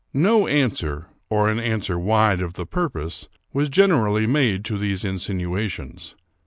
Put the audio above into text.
No answer, or an answer wide of the purpose, was gen erally made to these insinuations.